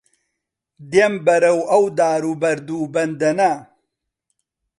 دێم بەرەو ئەو دار و بەرد و بەندەنە